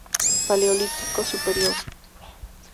Paleolítico Superior